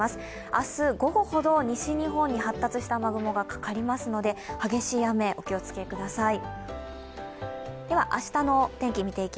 明日、午後ほど西日本に発達した雨雲がかかりますので、激しい雨にお気をつけください。